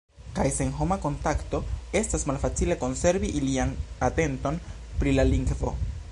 Kaj sen homa kontakto, estas malfacile konservi ilian atenton pri la lingvo.